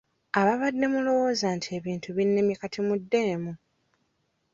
Ababadde mulowooza nti ebintu binnemye kati muddemu.